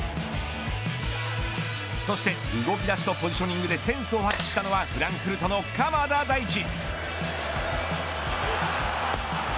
そして動き出しとポジショニングでセンスを発揮したのはフランクフルトの鎌田大地。